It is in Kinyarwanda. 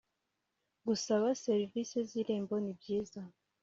Gusaba serivisi z irembo nibyiza